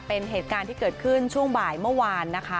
เป็นเหตุการณ์ที่เกิดขึ้นช่วงบ่ายเมื่อวานนะคะ